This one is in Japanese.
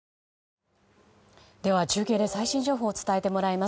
では、中継で最新情報を伝えてもらいます。